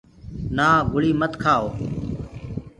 نآ گُݪيٚ مت کهآوو۔